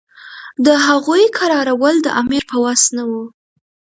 د هغوی کرارول د امیر په وس نه وو.